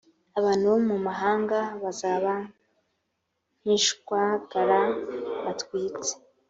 abantu bo mu mahanga bazaba nk ishwagara batwitse